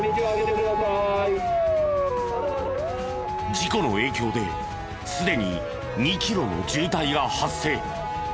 事故の影響ですでに２キロの渋滞が発生。